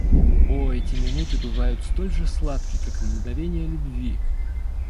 О, эти минуты бывают столь же сладки, как мгновения любви!